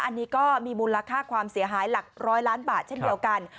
อันนี้ก็มีมูลค่าความเสียหายหลักร้อยล้านบาทเช่นเดียวกัน